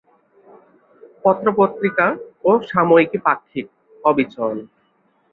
পত্র-পত্রিকা ও সাময়িকী পাক্ষিক: অবিচল।